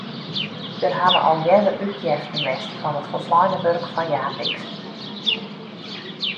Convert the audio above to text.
Der hawwe al earder útjeften west fan it folsleine wurk fan Japicx.